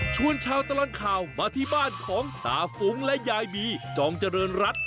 ชาวตลอดข่าวมาที่บ้านของตาฟุ้งและยายบีจองเจริญรัฐ